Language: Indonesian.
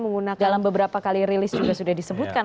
menggunakan dalam beberapa kali rilis juga sudah disebutkan